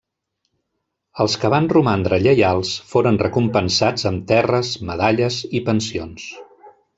Els que van romandre lleials foren recompensats amb terres, medalles i pensions.